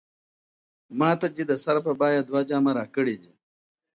ماته دي د سر په بيه دوه جامه راکړي دي